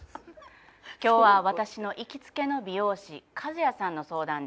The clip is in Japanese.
今日は私の行きつけの美容師カズヤさんの相談です。